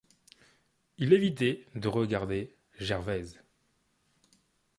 Il évitait de regarder Gervaise.